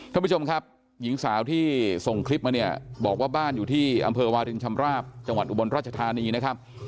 ท่านผู้ชมครับหญิงสาวที่ส่งคลิปมาเนี่ยบอกว่าบ้านอยู่ที่อำเภอวารินชำราบจังหวัดอุบลราชธานีนะครับ